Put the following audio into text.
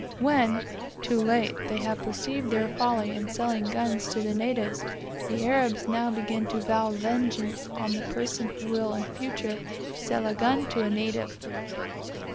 When, too late, they have perceived their folly in selling guns to the natives, the Arabs now begin to vow vengeance on the person who will in future sell a gun to a native.